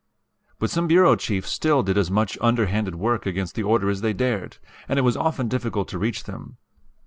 But some bureau chiefs still did as much underhanded work against the order as they dared, and it was often difficult to reach them.